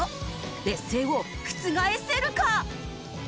劣勢を覆せるか！？